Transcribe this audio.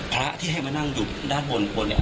พระที่ให้มานั่งอยู่ด้านบน